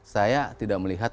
saya tidak melihat